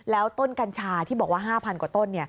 แล้วต้นกัญชาที่บอกว่า๕๐๐กว่าต้น